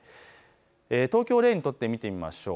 東京を例に取って見てみましょう。